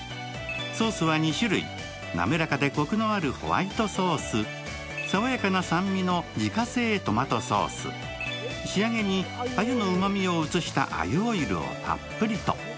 ソースは２種類、滑らかでコクのあるホワイトソース、爽やかな酸味の自家製トマトソース、仕上げに鮎のうまみを移した鮎オイルをたっぷりと。